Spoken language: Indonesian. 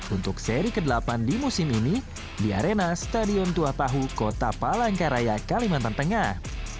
untuk seri ke delapan di musim ini di arena stadion tuapahu kota palangkaraya kalimantan tengah